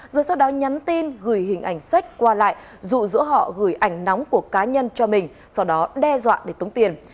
rồi sau đó nhắn tin gửi hình ảnh sách qua lại rụ rỗ họ gửi ảnh nóng của cá nhân cho mình sau đó đe dọa để tống tiền